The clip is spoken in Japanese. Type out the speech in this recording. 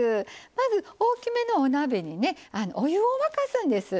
まず大きめのお鍋にねお湯を沸かすんです。